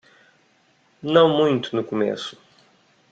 Não muito no começo